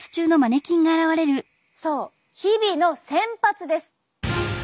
そう日々の洗髪です！